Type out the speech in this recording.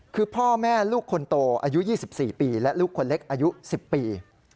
คือพ่อแม่ลูกคนโตอายุ๒๔ปีและลูกคนเล็กอายุ๑๐ปี